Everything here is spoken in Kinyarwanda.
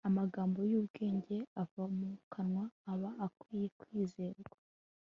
amagambo y'ubwenge abava mu kanwa, aba akwiye kwizerwa